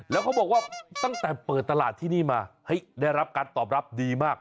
แล้วเขาบอกว่าตั้งแต่เปิดตลาดที่นี่มาได้รับการตอบรับดีมาก